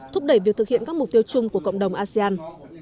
thúc đẩy việc thực hiện các mục tiêu chung của cộng đồng asean